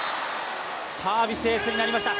サービスエースになりました。